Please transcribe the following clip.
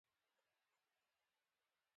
د تودوخې درې طریقې هدایت، جریان او تشعشع دي.